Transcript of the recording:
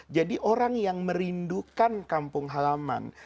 jadi orang yang merindukan kampung halaman